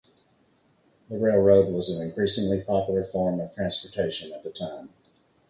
The railroad was an increasingly popular form of transportation at the time.